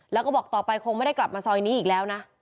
แล้วก็บอกต่อไปคงไม่ได้กลับมาซอยนี้อีกแล้วนะ